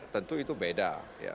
tentu itu beda